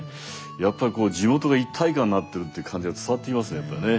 やっぱり地元が一体感になってるって感じが伝わってきますねやっぱりね。